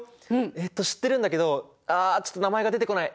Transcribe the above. えっと知ってるんだけどあちょっと名前が出てこない。